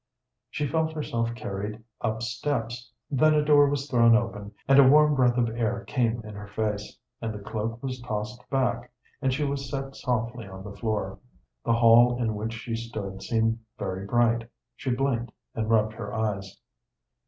She felt herself carried up steps, then a door was thrown open, and a warm breath of air came in her face, and the cloak was tossed back, and she was set softly on the floor. The hall in which she stood seemed very bright; she blinked and rubbed her eyes.